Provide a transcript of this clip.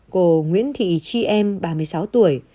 cô nguyễn thị chi em ba mươi sáu tuổi